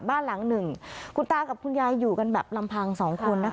บ้านหลังหนึ่งคุณตากับคุณยายอยู่กันแบบลำพังสองคนนะคะ